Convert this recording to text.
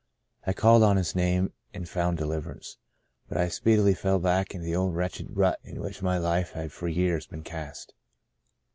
I called on His name, and found deliverance. But I speedily fell back into the old wretched rut in which my life had for years been cast.